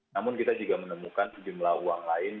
namun kita juga menemukan sejumlah uang lain